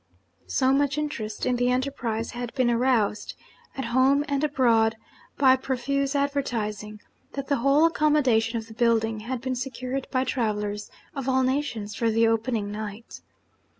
So much interest in the enterprise had been aroused, at home and abroad, by profuse advertising, that the whole accommodation of the building had been secured by travellers of all nations for the opening night.